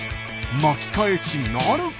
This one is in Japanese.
巻き返しなるか？